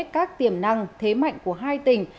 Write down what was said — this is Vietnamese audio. các tiềm năng thế mạnh của hai tỉnh